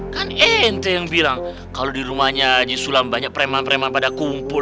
kan enteng yang bilang kalau di rumahnya di sulam banyak preman preman pada kumpul